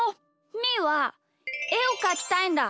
みーはえをかきたいんだ！